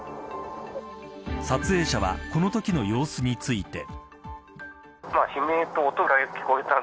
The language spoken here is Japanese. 撮影者はこのときの様子について。